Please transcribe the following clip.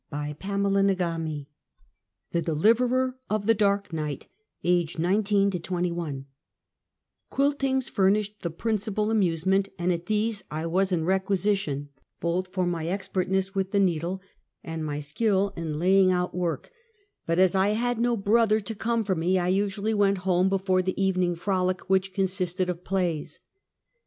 CHAPTER VIL THE DELIVERER OF THE DARK NIGHT. — Age, 19 21 QuiLTiNGS furnished the principal amusement, and at these I was in requisition, botli for my expertness Deliveeer of the Dark ISTight. 39 with the needle, and mj skill in laying out work; but as I had no brother to come for me, I usually went home before the evening frolic, which consisted of plays.